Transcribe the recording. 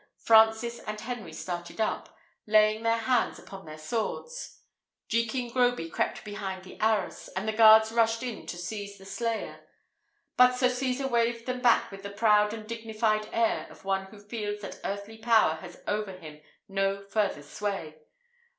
Francis and Henry started up, laying their hands upon their swords; Jekin Groby crept behind the arras; and the guards rushed in to seize the slayer; but Sir Cesar waved them back with the proud and dignified air of one who feels that earthly power has over him no further sway.